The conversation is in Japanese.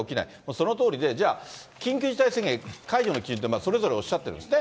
そのとおりで、じゃあ、緊急事態宣言解除の基準って、それぞれおっしゃってるんですね。